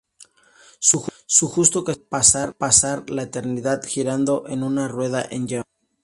Su justo castigo fue pasar la eternidad girando en una rueda en llamas.